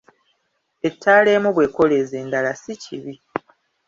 Ettaala emu bw'ekoleeza endala si kibi.